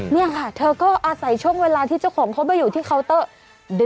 นี่ค่ะเธอก็อาศัยช่วงเวลาที่เจ้าของเขามาอยู่ที่เคาน์เตอร์